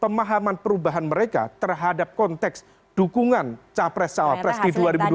pemahaman perubahan mereka terhadap konteks dukungan capres cawapres di dua ribu dua puluh